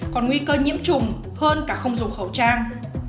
còn nguy cơ nhiễm trùng hơn cả không dùng khẩu trang